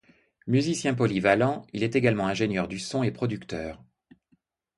Musicien polyvalent, il est également ingénieur du son et producteur.